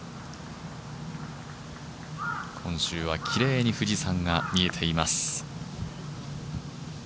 今週はきれいに富士山が見えています。